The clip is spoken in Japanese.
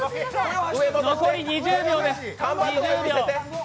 残り２０秒です。